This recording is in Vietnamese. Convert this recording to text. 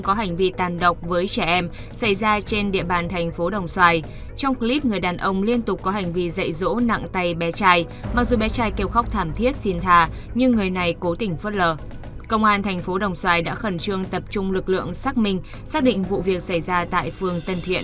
các bạn hãy đăng ký kênh để ủng hộ kênh của chúng mình nhé